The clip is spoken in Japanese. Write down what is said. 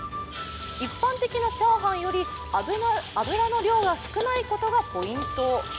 一般的なチャーハンより油の量が少ないことがポイント。